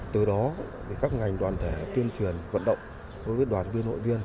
từ đó các ngành đoàn thể tuyên truyền vận động đối với đoàn viên hội viên